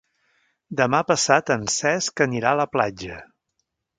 Demà passat en Cesc anirà a la platja.